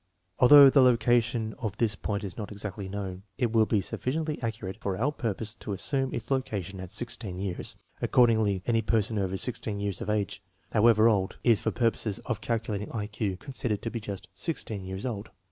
Although the location of this point is not exactly known, it will be sufficiently accurate for our purpose to assume its location at 16 years. Accordingly, any person over 16 years of age, however old, is for purposes of calculating INSTRUCTIONS FOR USING Ul I Q considered to be just 16 years old.